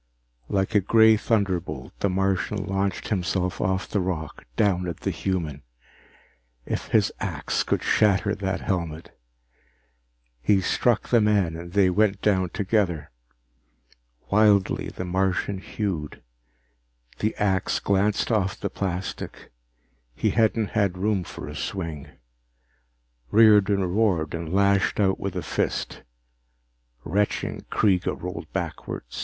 Like a gray thunderbolt, the Martian launched himself off the rock, down at the human. If his axe could shatter that helmet He struck the man and they went down together. Wildly, the Martian hewed. The axe glanced off the plastic he hadn't had room for a swing. Riordan roared and lashed out with a fist. Retching, Kreega rolled backward.